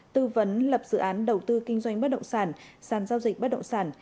tư vấn lập dự án đầu tư kinh doanh bất động sản sàn giao dịch bất động sản